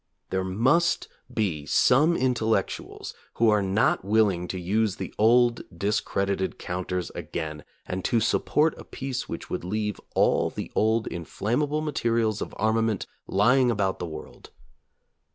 There must be some intellectuals who are not willing to use the old discredited counters again and to support a peace which would leave all the old inflammable materials of armament lying about the world.